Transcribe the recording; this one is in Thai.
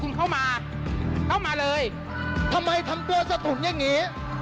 คุณเข้ามาเข้ามาเลยทำไมทำเเบอะจะตุ๋นอย่างงี้